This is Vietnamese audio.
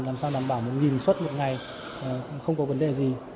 làm sao đảm bảo một suất một ngày không có vấn đề gì